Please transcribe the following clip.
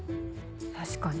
確かに。